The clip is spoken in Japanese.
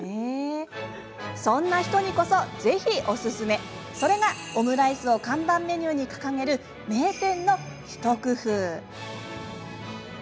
そんな人にこそぜひおすすめそれが、オムライスを看板メニューに掲げる名店の一工夫。